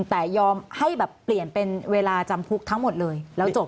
แต่ยอมให้แบบเปลี่ยนเป็นเวลาจำคุกทั้งหมดเลยแล้วจบ